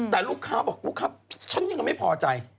แต่ลูกค้าบอกลูกค้าฉันยังไม่พอใจ